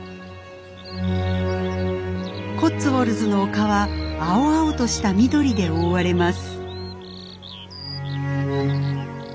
コッツウォルズの丘は青々とした緑で覆われます。